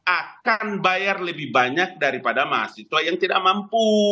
akan bayar lebih banyak daripada mahasiswa yang tidak mampu